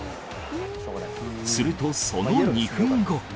するとその２分後。